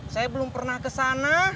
saya belum pernah ke sana